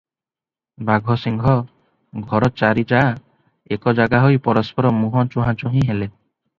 ବାଘସିଂହ ଘର ଚାରି ଯାଆ ଏକ ଜାଗାହୋଇ ପରସ୍ପର ମୁହଁ ଚୁହାଁଚୁହିଁ ହେଲେ ।